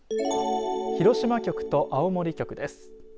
広島局と青森局です。